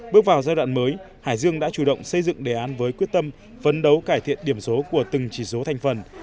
bước vào giai đoạn mới hải dương đã chủ động xây dựng đề án với quyết tâm phấn đấu cải thiện điểm số của từng chỉ số thành phần